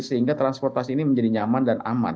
sehingga transportasi ini menjadi nyaman dan aman